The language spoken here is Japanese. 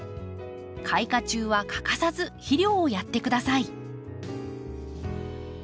開花中は欠かさず肥料をやってください。